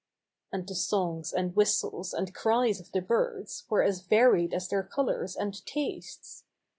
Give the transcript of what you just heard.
And the songs and whistles and cries of the birds were as varied as their colors and tastes.